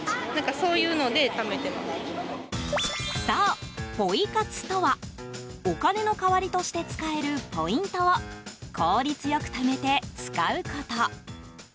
そう、ポイ活とはお金の代わりとして使えるポイントを効率よくためて使うこと。